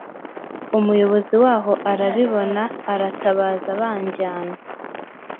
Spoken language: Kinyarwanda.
umuyobozi waho arabibona aratabaza banjyana